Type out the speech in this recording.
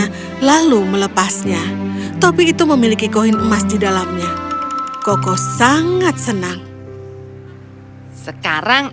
karena lalu melepasnya topi itu memiliki koin emas di dalamnya koko sangat senang sekarang